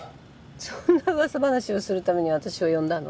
そんなうわさ話をするために私を呼んだの？